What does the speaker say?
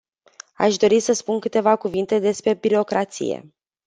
Aș dori să spun câteva cuvinte despre birocrație.